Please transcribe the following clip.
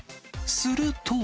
すると。